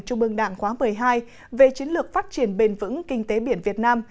trung bương đảng khóa một mươi hai về chính lược phát triển bền vững kinh tế biển việt nam